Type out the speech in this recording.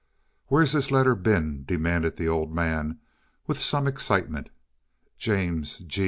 "Where's this letter been?" demanded the Old Man, with some excitement. James G.